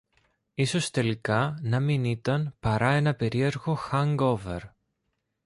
Ίσως τελικά να μην ήταν παρά ένα περίεργο hangover